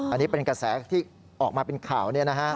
อันนี้เป็นกระแสที่ออกมาเป็นข่าว